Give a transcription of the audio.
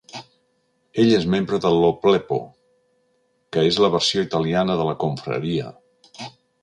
Ell és membre de l'Oplepo, que és la versió italiana de la confraria.